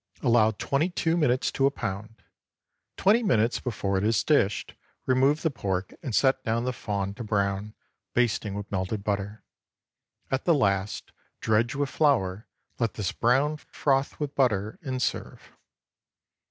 Allow twenty two minutes to a pound. Twenty minutes before it is dished, remove the pork, and set down the fawn to brown, basting with melted butter. At the last, dredge with flour, let this brown, froth with butter, and serve.